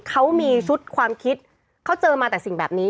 เขามีชุดความคิดเขาเจอมาแต่สิ่งแบบนี้